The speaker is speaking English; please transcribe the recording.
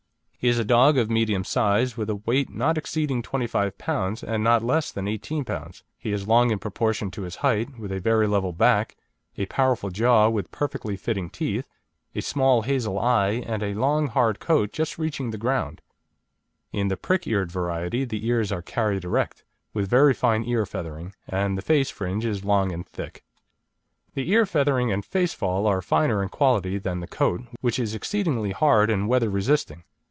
He is a dog of medium size, with a weight not exceeding 25 lb., and not less than 18 lb. he is long in proportion to his height, with a very level back, a powerful jaw with perfectly fitting teeth, a small hazel eye, and a long hard coat just reaching the ground. In the prick eared variety the ears are carried erect, with very fine ear feathering, and the face fringe is long and thick. The ear feathering and face fall are finer in quality than the coat, which is exceedingly hard and weather resisting.